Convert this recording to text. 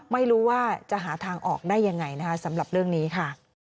ไม่รู้ว่าจะหาทางออกได้ยังไงนะคะสำหรับเรื่องนี้ค่ะ